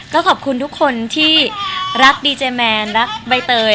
ก็ขอบคุณทุกคนที่รักดีเจแมนรักใบเตย